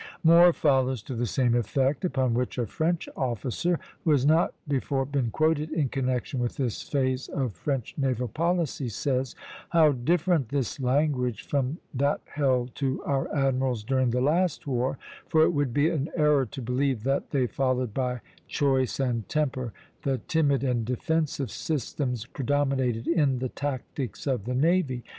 More follows to the same effect; upon which a French officer, who has not before been quoted in connection with this phase of French naval policy, says: "How different this language from that held to our admirals during the last war; for it would be an error to believe that they followed by choice and temper the timid and defensive system which predominated in the tactics of the navy.